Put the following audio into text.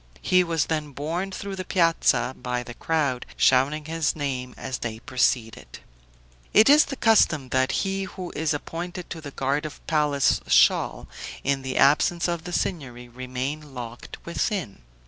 He was then borne through the piazza by the crowd, shouting his name as they proceeded. It is the custom that he who is appointed to the guard of the palace shall, in the absence of the Signory, remain locked within.